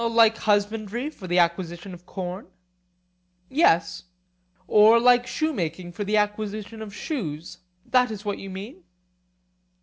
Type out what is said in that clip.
Like husbandry for the acquisition of corn? Yes. Or like shoemaking for the acquisition of shoes,—that is what you mean?